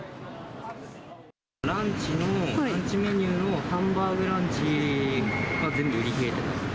ランチの、ランチメニューのハンバーグランチが、全部売り切れてた。